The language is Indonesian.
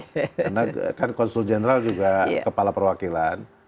karena kan konsul general juga kepala perwakilan